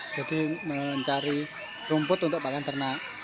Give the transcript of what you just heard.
jadi mencari rumput untuk makan ternak